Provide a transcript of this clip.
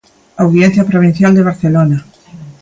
Audiencia Provincial de Barcelona.